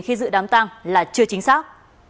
khi dự đám tang là chưa chính xác